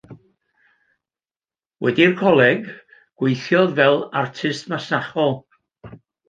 Wedi'r coleg, gweithiodd fel artist masnachol.